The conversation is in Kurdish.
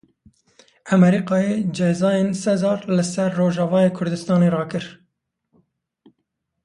Amarîkayê Cezayên Sezar li ser Rojavayê Kurdistanê rakir.